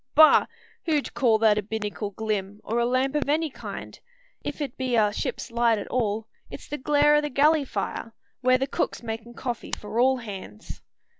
Bah! who'd call that a binnacle glim, or a lamp of any kind? If't be a ship's light at all, it's the glare o' the galley fire, where the cook's makin' coffee for all hands."